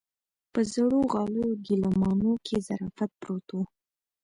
په زړو غاليو ګيلمانو کې ظرافت پروت و.